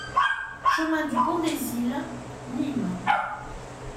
Chemin du Pont des Iles, Nîmes